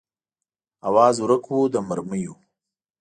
آواز ورک و د مرمیو